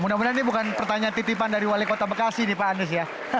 mudah mudahan ini bukan pertanyaan titipan dari wali kota bekasi nih pak anies ya